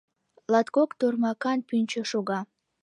Латкок тормакан пӱнчӧ шога.